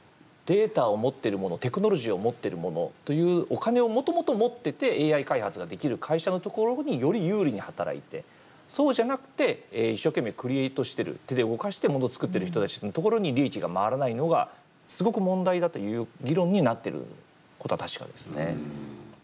データを持っている者テクノロジーを持っている者というお金をもともと持っててＡＩ開発ができる会社のところにより有利に働いてそうじゃなくて一生懸命クリエートしてる手で動かしてモノをつくってる人たちのところに利益が回らないのがすごく問題だという議論になってることは確かですね。